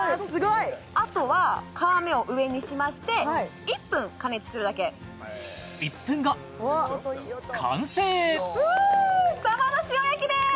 あとは皮目を上にしまして１分加熱するだけさばの塩焼きです！